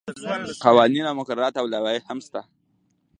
قوانین او مقررات او لوایح هم شته.